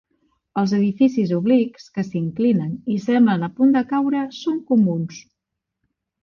Els edificis oblics que s'inclinen, i semblen a punt de caure són comuns.